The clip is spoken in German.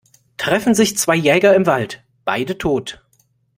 Treffen sich zwei Jäger im Wald - beide tot.